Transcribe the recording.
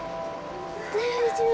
大丈夫。